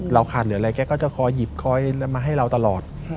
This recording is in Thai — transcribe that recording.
ขาดเหลืออะไรแกก็จะคอยหยิบคอยมาให้เราตลอด